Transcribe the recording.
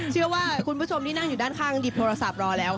เชื่อว่าคุณผู้ชมที่นั่งอยู่ด้านข้างหยิบโทรศัพท์รอแล้ว